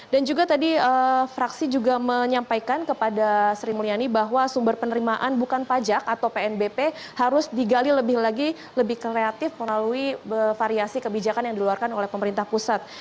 dan juga tadi fraksi juga menyampaikan kepada sri mulyani bahwa sumber penerimaan bukan pajak atau pnbp harus digali lebih kreatif melalui variasi kebijakan yang diluarkan oleh pemerintah pusat